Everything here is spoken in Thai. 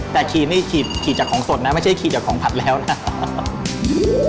แต่ขี่นี่ขี่จากของสดนะไม่ใช่ขี่จากของผัดแล้วนะ